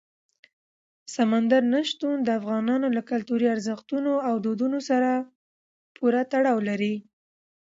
سمندر نه شتون د افغانانو له کلتوري ارزښتونو او دودونو سره پوره تړاو لري.